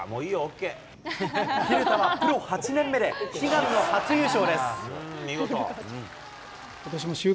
蛭田はプロ８年目で、悲願のリ決勝。